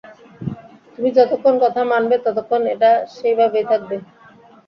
তুমি যতক্ষণ কথা মানবে ততক্ষণ এটা সেইভাবেই থাকবে।